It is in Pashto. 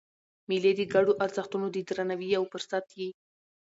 مېلې د ګډو ارزښتونو د درناوي یو فرصت يي.